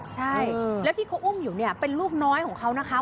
ใช่แล้วที่เขาอุ้มอยู่เนี่ยเป็นลูกน้อยของเขานะคะ